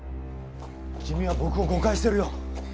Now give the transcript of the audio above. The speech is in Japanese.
君は僕を誤解してるよ。